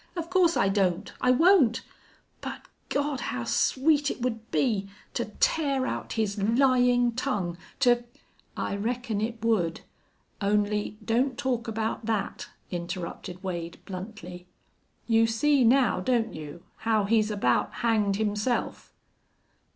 "Of course I don't. I won't. But God! how sweet it would be to tear out his lying tongue to " "I reckon it would. Only don't talk about that," interrupted Wade, bluntly. "You see, now, don't you, how he's about hanged himself."